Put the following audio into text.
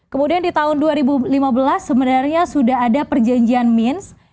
kemudian di tahun dua ribu lima belas sebenarnya sudah ada perjanjian mins